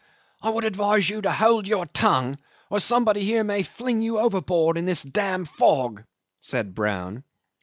"I would advise you to hold your tongue, or somebody here may fling you overboard into this damned fog," said Brown.